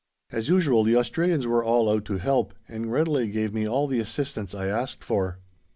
As usual, the Australians were all out to help, and readily gave me all the assistance I asked for.